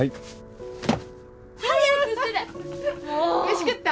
飯食った？